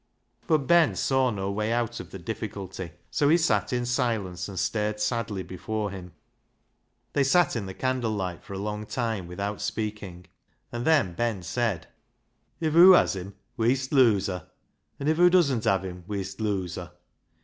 But Ben saw no way out of the difficult)^ so he sat in silence and stared sadly before him. They sat in the candle light for a long time without speaking, and then Ben said —" If hoo has him wee'st lose her, and if hoo doesn't have him wee'st lose her.